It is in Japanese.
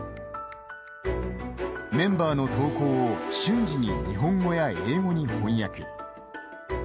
メンバーの投稿を瞬時に日本語や英語に翻訳。